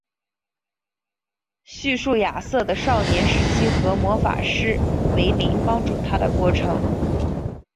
叙述亚瑟的少年时期和魔法师梅林帮助他的过程。